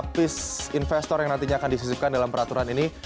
pis investor yang nantinya akan disisipkan dalam peraturan ini